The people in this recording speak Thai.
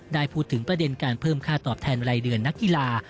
ได้พูดถึงประเด็นการเพิ่มค่าตอบแทนรายเดือนนักกีฬา